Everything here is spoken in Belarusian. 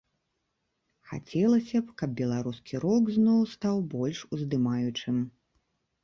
Хацелася б каб беларускі рок зноў стаў больш уздымаючым.